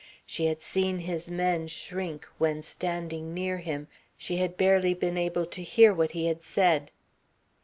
She had seen his men shrink when, standing near him, she had barely been able to hear what he had said.